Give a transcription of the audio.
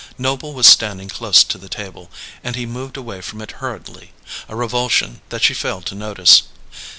Noble was standing close to the table, and he moved away from it hurriedly a revulsion that she failed to notice.